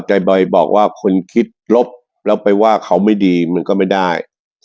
แต่บอยบอกว่าคนคิดลบแล้วไปว่าเขาไม่ดีมันก็ไม่ได้